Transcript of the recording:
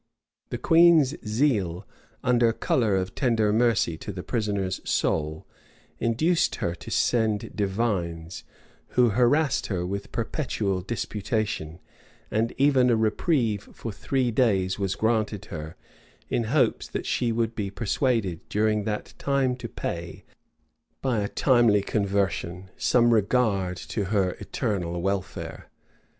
The queen's zeal, under color of tender mercy to the prisoner's soul, induced her to send divines, who harassed her with perpetual disputation; and even a reprieve for three days was granted her, in hopes that she would be persuaded during that time to pay, by a timely conversion, some regard to her eternal welfare.